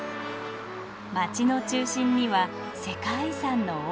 街の中心には世界遺産の王宮。